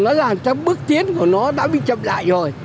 nó làm cho bước tiến của nó đã bị chậm lại rồi